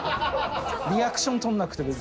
リアクション撮んなくて別に。